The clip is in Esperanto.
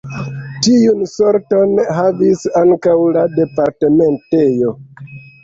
Tiun sorton havis ankaŭ la departementejo.